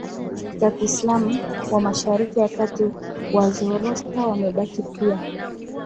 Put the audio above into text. za Kiislamu wa mashariki ya kati Wazoroasta wamebaki pia